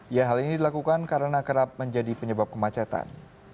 ya hal ini dilakukan karena kerap menjadi penyebab kemacetan